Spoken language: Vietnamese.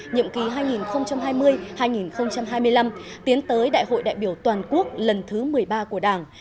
nhiệm ký hai nghìn hai mươi hai nghìn hai mươi năm tiến tới đại hội đại biểu toàn quốc lần thứ một mươi ba của đảng